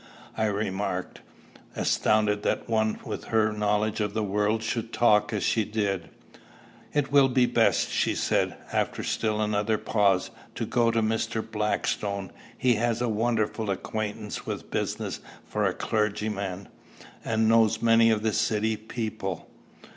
I remarked, astounded that one with her knowledge of the world should talk as she did. "It will be best," she said, after still another pause, "to go to Mr. Blackstone. He has a wonderful acquaintance with business for a clergyman, and knows many of the city people."